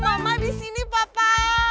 mama disini papa